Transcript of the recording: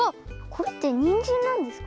これってにんじんなんですか？